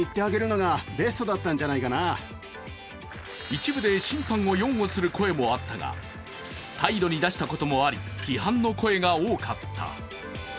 一部で審判を擁護する声もあったが、態度に出したこともあり批判の声が多かった。